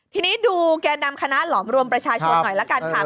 ทีนี้ดูแก่นำคณะหลอมรวมประชาชนหน่อยละกันค่ะ